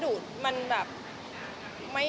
ดูทุกวันค่ะ